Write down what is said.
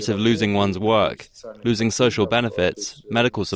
kehilangan keuntungan sosial dan penyelidikan medis